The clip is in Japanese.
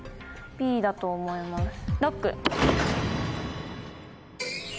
だと思います。